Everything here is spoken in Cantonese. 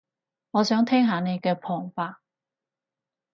我想聽下你嘅旁白